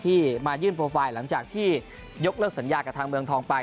มายื่นโปรไฟล์หลังจากที่ยกเลิกสัญญากับทางเมืองทองไป